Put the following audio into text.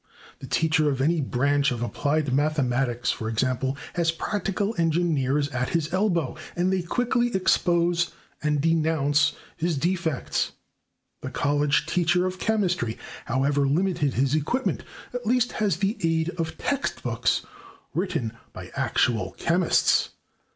The teacher of any branch of applied mathematics, for example, has practical engineers at his elbow and they quickly expose and denounce his defects; the college teacher of chemistry, however limited his equipment, at least has the aid of text books written by actual chemists.